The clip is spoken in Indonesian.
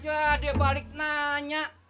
ya dia balik nanya